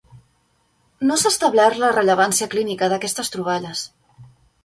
No s'ha establert la rellevància clínica d'aquestes troballes.